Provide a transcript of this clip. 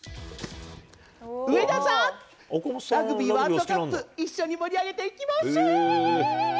上田さん、ラグビーワールドカップ、一緒に盛り上げていきましょう！